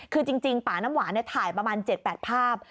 คือจริงป่าน้ำหวานถ่ายประมาณ๗๘ภาพ